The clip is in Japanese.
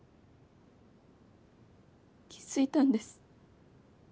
気づいたんです。